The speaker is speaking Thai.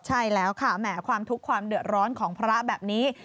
ใช่แล้วค่ะแหมความทุกข์ความเดือดร้อนของพระแบบนี้